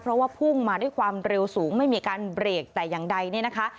เพราะว่าพุ่งมาด้วยความเร็วสูงไม่มีการเบรกแต่อย่างใดเนี่ยนะคะ